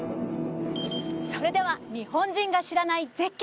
それでは日本人が知らない絶景